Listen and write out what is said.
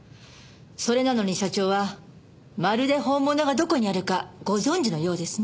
それなのに社長はまるで本物がどこにあるかご存じのようですね。